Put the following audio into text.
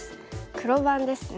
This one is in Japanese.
黒番ですね。